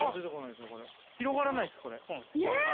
◆広がらないです、これ。